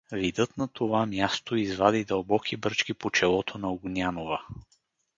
Видът на това място извади дълбоки бръчки по челото на Огнянова.